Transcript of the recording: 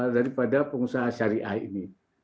daripada pengusaha syariah ini